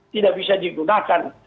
tidak bisa digunakan